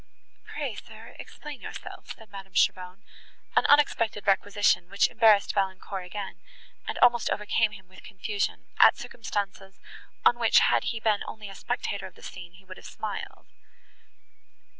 "Pray, sir, explain yourself," said Madame Cheron; an unexpected requisition, which embarrassed Valancourt again, and almost overcame him with confusion, at circumstances, on which, had he been only a spectator of the scene, he would have smiled.